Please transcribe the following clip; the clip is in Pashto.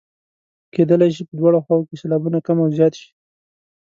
کیدلای شي په دواړو خواوو کې سېلابونه کم او زیات شي.